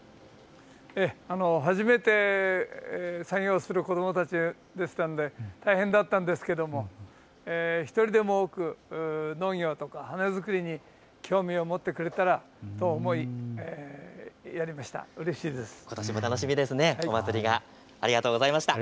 初めて作業をする子どもたちでしたので大変だったんですけれども１人でも多く農業とか花作りに興味を持ってくれたらと思い、やりました。